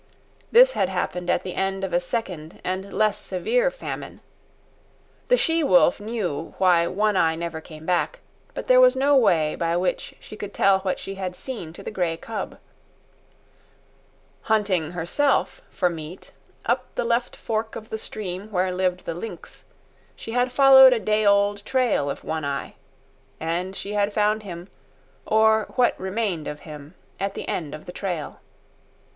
This had happened at the end of a second and less severe famine. The she wolf knew why One Eye never came back, but there was no way by which she could tell what she had seen to the grey cub. Hunting herself for meat, up the left fork of the stream where lived the lynx, she had followed a day old trail of One Eye. And she had found him, or what remained of him, at the end of the trail.